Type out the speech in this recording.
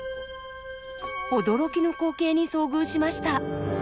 驚きの光景に遭遇しました。